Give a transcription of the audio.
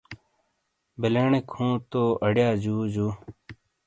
بلیݨک ہوں تو اریا جو جو۔